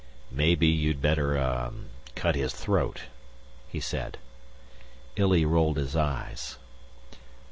"Maybe you'd better, uh, cut his throat," he said. Illy rolled his eyes.